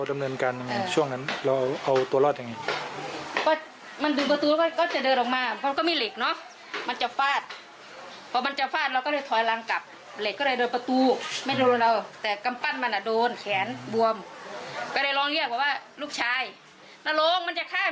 มันก็เลยชายไม่ฟาดลูกชายส่องที